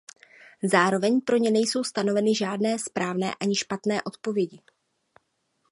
Zároveň pro ně nejsou stanoveny žádné správné ani špatné odpovědi.